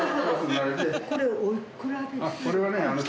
これはね